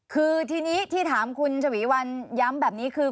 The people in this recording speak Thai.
คือทีนี้ที่ถามคุณฉวีวันย้ำแบบนี้คือ